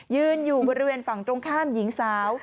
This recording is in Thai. ยืนอยู่บริเวณฝั่งตรงข้ามหญิงสาว